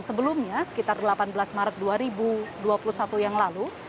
dan sebelumnya sekitar delapan belas maret dua ribu dua puluh satu yang lalu